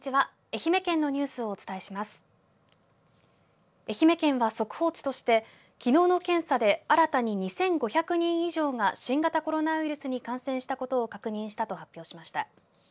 愛媛県は速報値としてきのうの検査で新たに２５００人以上が新型コロナウイルスに感染したことを確認したと発表しました。